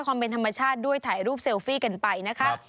เป็นธรรมชาติด้วยถ่ายรูปเซลฟี่กันไปนะคะ